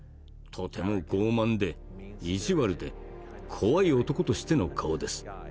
とても傲慢で意地悪で怖い男としての顔です。